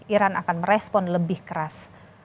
iran akan merespon lebih keras